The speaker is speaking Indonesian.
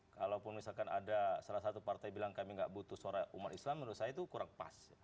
kalaupun misalkan ada salah satu partai bilang kami nggak butuh suara umat islam menurut saya itu kurang pas